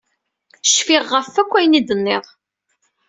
Cfiɣ ɣef akk ayen i d-tenniḍ.